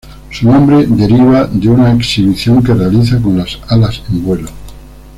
Su nombre deriva de una exhibición que realiza con las alas en vuelo.